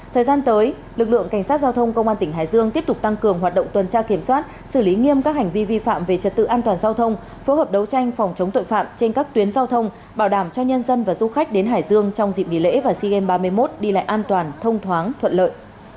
thời gian tới lực lượng cảnh sát giao thông công an tỉnh hải dương tiếp tục tăng cường hoạt động tuần tra kiểm soát xử lý nghiêm các hành vi vi phạm về trật tự an toàn giao thông phối hợp đấu tranh phòng chống tội phạm trên các tuyến giao thông bảo đảm cho nhân dân và du khách đến hải dương trong dịp nghỉ lễ và sea games ba mươi một đi lại an toàn thông thoáng thuận lợi